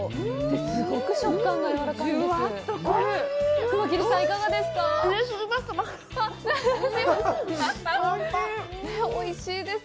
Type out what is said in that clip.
すごく食感がやわらかいんです。